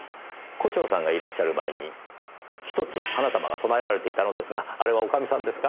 胡蝶さんがいらっしゃる前に１つ花束が供えられていたのですがあれは女将さんですか？